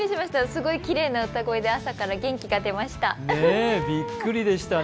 すごいきれいな歌声で朝から元気が出ました。